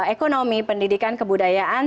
ekonomi pendidikan kebudayaan